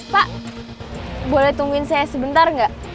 pak boleh tungguin saya sebentar nggak